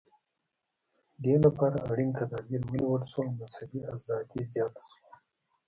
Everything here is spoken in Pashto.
دې لپاره اړین تدابیر ونیول شول او مذهبي ازادي زیاته شوه.